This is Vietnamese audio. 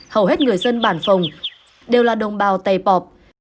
hầu hết người dân bản phòng đều là đồng bào tày pọp